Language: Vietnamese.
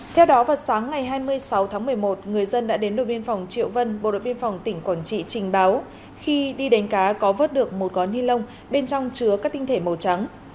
theo đó vào sáng ngày hai mươi sáu tháng một mươi một người dân đã đến đội biên phòng triệu vân bộ đội biên phòng tỉnh quảng trị trình báo khi đi đánh cá có vớt được một gói ni lông bên trong chứa các tinh thể màu trắng